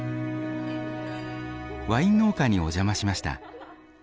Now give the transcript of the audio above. ワイン農家にお邪魔しました。